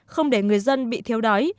không để người dân bị thiếu đói